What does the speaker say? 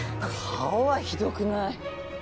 顔はひどくない？